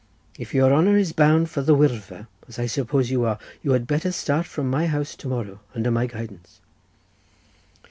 If your honour is bound for the Wyddfa, as I suppose you are, you had better start from my house to morrow under my guidance."